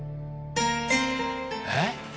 えっ！